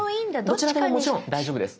どちらでももちろん大丈夫です。